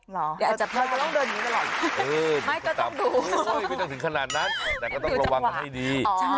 อ๋อไม่ต้องถึงขนาดนั้นแต่ก็ต้องระวังให้ดี